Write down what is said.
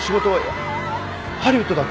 ハリウッドだって。